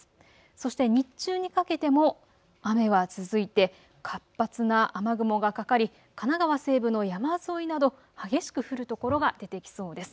そして日中にかけても雨は続いて活発な雨雲がかかり神奈川西部の山沿いなど激しく降る所が出てきそうです。